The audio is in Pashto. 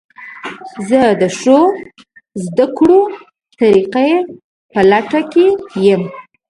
زه د ښو زده کړې طریقو په لټه کې یم.